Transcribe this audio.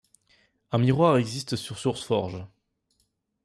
Un miroir existe sur SourceForge.